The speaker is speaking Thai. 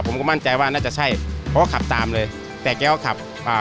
ผมก็มั่นใจว่าน่าจะใช่เพราะว่าขับตามเลยแต่แกก็ขับอ่า